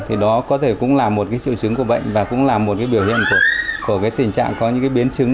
thì đó có thể cũng là một triệu chứng của bệnh và cũng là một biểu hiện của tình trạng có những biến chứng